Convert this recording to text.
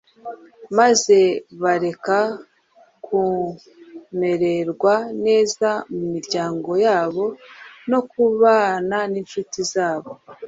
maze bareka kumererwa neza mu miryango yabo no kubana n’incuti zabo,